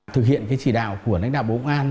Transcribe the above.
thực hiện chỉ đạo của lãnh đạo bố công an